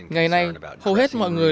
ngày nay hầu hết mọi người